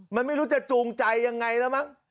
มันไม่รู้จะจูงใจยังไงแล้วมั้ง